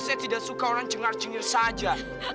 saya tidak suka orang cengar cingir saja